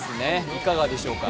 いかがでしょうか？